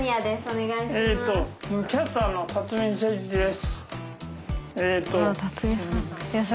キャスターの辰己正一です。